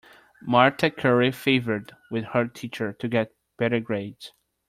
Marta curry favored with her teacher to get better grades.